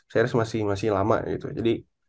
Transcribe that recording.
series masih lama gitu jadi